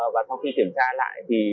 và sau khi kiểm tra lại thì